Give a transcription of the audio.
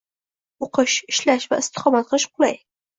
O’qish, ishlash va istiqomat qilish qulay.